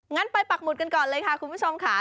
งั้นไปปักหมุดกันก่อนเลยค่ะคุณผู้ชมค่ะ